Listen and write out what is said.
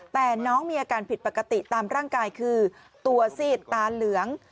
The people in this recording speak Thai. แต่น้องมีอาการผิดปกติตามร่างกายคือตัวซีดตาเหลือง